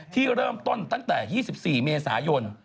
ที่เริ่มต้นตั้งแต่๒๔เมษายน